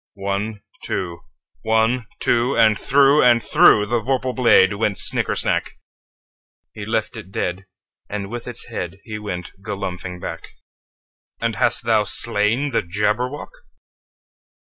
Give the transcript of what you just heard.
One, two! One, two! And through and throughThe vorpal blade went snicker snack! He left it dead, and with its headHe went galumphing back."And hast thou slain the Jabberwock?